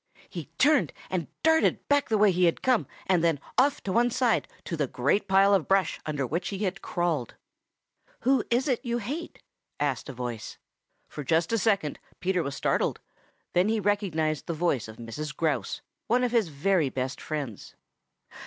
He turned and darted back the way he had come and then off to one side to the great pile of brush under which he had crawled. "Who is it you hate?" asked a voice. For just a second Peter was startled, then he recognized the voice of Mrs. Grouse, one of his very best friends.